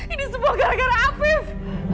ini semua gara gara afif